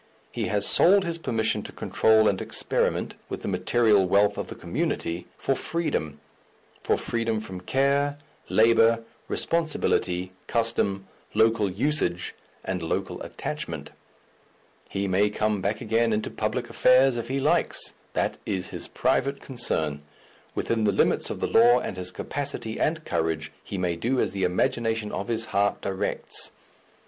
He has sold his permission to control and experiment with the material wealth of the community for freedom for freedom from care, labour, responsibility, custom, local usage and local attachment. He may come back again into public affairs if he likes that is his private concern. Within the limits of the law and his capacity and courage, he may do as the imagination of his heart directs.